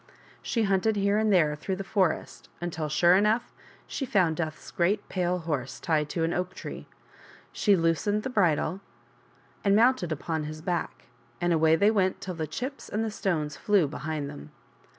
She hunted here and there through the forest until, sure enough, she found Death's great pale horse tied to an oak tree. She loosened the bridle and mounted upon his back, and away they went till the chips and the stones flew behind them.